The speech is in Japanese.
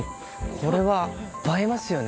これは映えますよね。